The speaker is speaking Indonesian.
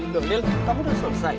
lila kamu udah selesai